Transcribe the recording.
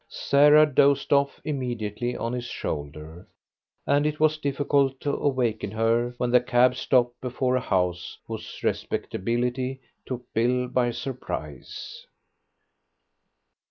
Sarah dozed off immediately on his shoulder, and it was difficult to awaken her when the cab stopped before a house whose respectability took Bill by surprise.